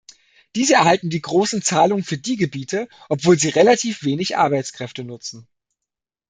Diese erhalten die großen Zahlungen für die Gebiete, obwohl sie relativ wenig Arbeitskräfte nutzen.